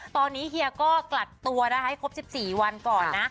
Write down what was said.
ตอนนี้เฮียวก็กลัดตัวได้คบ๑๔วันก่อนนะ